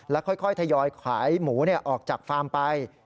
ค่อยทยอยขายหมูออกจากฟาร์มไป